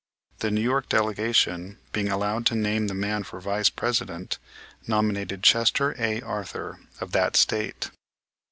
The New York delegation, being allowed to name the man for Vice President, nominated Chester A. Arthur, of that State.